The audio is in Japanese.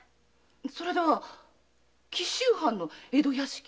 それでは紀州藩の江戸屋敷へ？